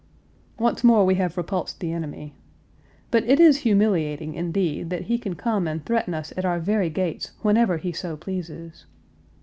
Once more we have repulsed the enemy. But it is humiliating, indeed, that he can come and threaten us at our very gates whenever he so pleases.